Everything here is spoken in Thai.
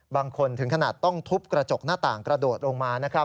ถึงขนาดต้องทุบกระจกหน้าต่างกระโดดลงมานะครับ